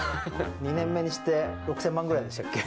２年目にして６０００万円ぐらいでしたっけ？